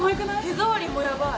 手触りもヤバい！